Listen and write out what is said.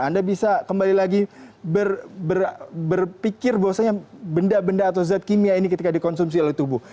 anda bisa kembali lagi berpikir bahwasanya benda benda atau zat kimia ini ketika dikonsumsi oleh tubuh